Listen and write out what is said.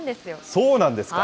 そうなんですか？